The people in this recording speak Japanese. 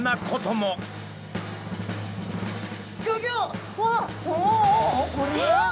これは。